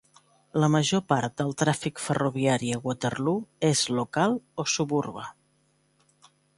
La major part del tràfic ferroviari a Waterloo és local o suburbà.